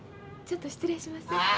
ちょっと失礼します。